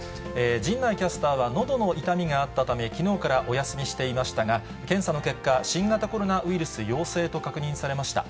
陣内キャスターはのどの痛みがあったため、きのうからお休みしていましたが、検査の結果、新型コロナウイルス陽性と確認されました。